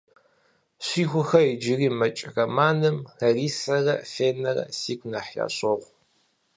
«Щихуэхэр иджыри мэкӏ» романым, Ларисэрэ, Фенэрэ сигу нэхъ ящӏогъу.